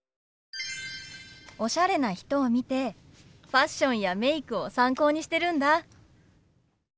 おしゃれな人を見てファッションやメイクを参考にしてるんだ。